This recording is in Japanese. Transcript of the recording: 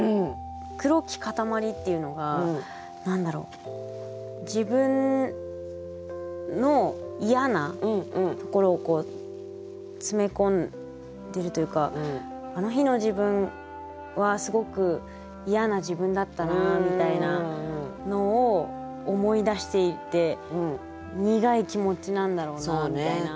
「黒き塊」っていうのが何だろう自分の嫌なところを詰め込んでるというか「あの日の自分」はすごく嫌な自分だったなみたいなのを思い出していて苦い気持ちなんだろうなみたいな。